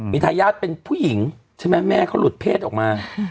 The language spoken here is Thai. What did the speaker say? มีทายาทเป็นผู้หญิงใช่ไหมแม่เขาหลุดเพศออกมา